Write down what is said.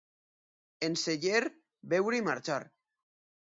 En celler, beure i marxar.